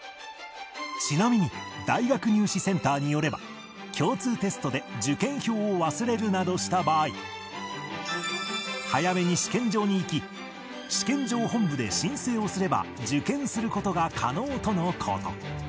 ちなみに大学入試センターによれば共通テストで受験票を忘れるなどした場合早めに試験場に行き試験場本部で申請をすれば受験する事が可能との事